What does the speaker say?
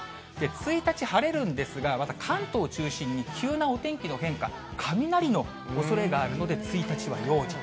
１日、晴れるんですが、また関東を中心に急なお天気の変化、雷のおそれがあるので、１日は用心。